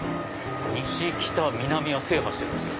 西北南は制覇してるんですよ。